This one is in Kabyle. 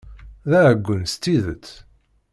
D aɛeggun s tidet!